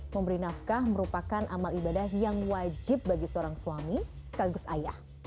memberi nafkah merupakan amal ibadah yang wajib bagi seorang suami sekaligus ayah